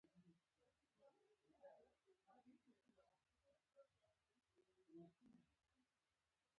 ښي خواته ځئ